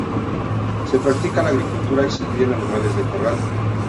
Se practica la agricultura y se crían animales de corral.